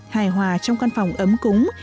hài hòa trong căn phòng ấm cúng